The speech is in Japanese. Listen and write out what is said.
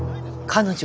彼女？